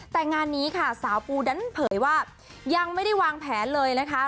แต่งานนี้ค่ะสาวปูดันเผยว่ายังไม่ได้วางแผนเลยนะคะ